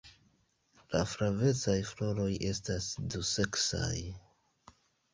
La flavecaj floroj estas duseksaj.